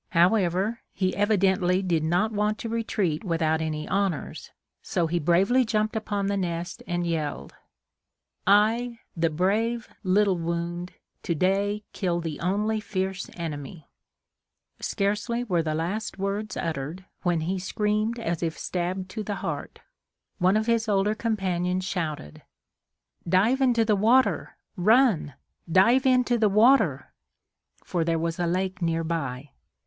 However, he evidently did not want to retreat without any honors; so he bravely jumped upon the nest and yelled: "I, the brave Little Wound, to day kill the only fierce enemy!" [Illustration: So he bravely jumped upon the nest. Page 32.] Scarcely were the last words uttered when he screamed as if stabbed to the heart. One of his older companions shouted: "Dive into the water! Run! Dive into the water!" for there was a lake near by.